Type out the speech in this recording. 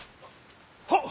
はっ！